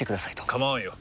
構わんよ。